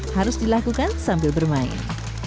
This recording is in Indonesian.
harus dilakukan sambil bermain